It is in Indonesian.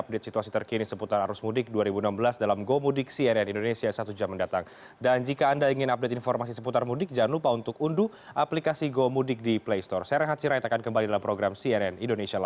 dan sekian informasi terkini gomudik dua ribu enam belas cnn indonesia